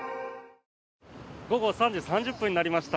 午後３時３０分になりました。